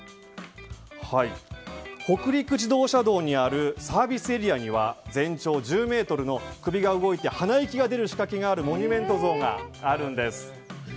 北陸自動車道にあるサービスエリアには全長１０ｍの首が動いて鼻息が出る仕掛けのモニュメント像があるんです。